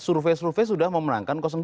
survei survei sudah memenangkan dua